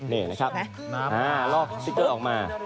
นี่นะครับลอกสติ๊กเกอร์ออกมา